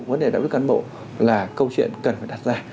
vấn đề đạo đức cán bộ là câu chuyện cần phải đặt ra